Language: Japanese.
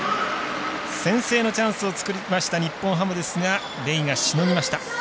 先制のチャンスを作りました日本ハムですがレイがしのぎました。